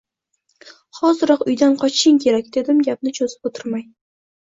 – Hoziroq uydan qochishing kerak! – dedim gapni cho‘zib o‘tirmay